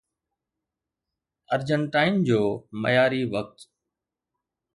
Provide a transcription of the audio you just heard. ارجنٽائن جو معياري وقت